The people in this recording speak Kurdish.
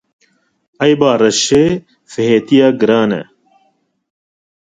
Eyba reşê, fihêtiya giranê.